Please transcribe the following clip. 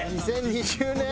２０２０年。